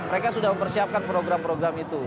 mereka sudah mempersiapkan program program itu